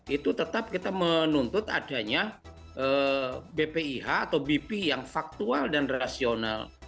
itu tetap kita menuntut adanya bpih atau bp yang faktual dan rasional